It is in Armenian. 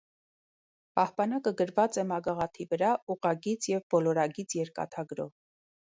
Պահպանակը գրված է մագաղաթի վրա, ուղղագիծ և բոլորագիծ երկաթագրով։